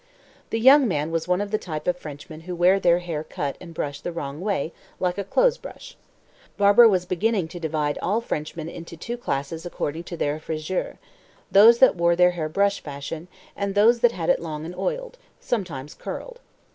The young man was one of the type of Frenchmen who wear their hair cut and brushed the wrong way, like a clothes brush. Barbara was beginning to divide all Frenchmen into two classes according to their frisure: those that wore their hair brush fashion, and those that had it long and oiled sometimes curled.